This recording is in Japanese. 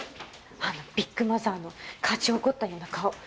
あのビッグマザーの勝ち誇ったような顔。